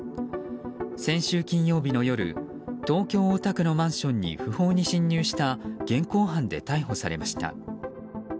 先週金曜日の夜東京・大田区のマンションに不法に侵入した現行犯で逮捕されました。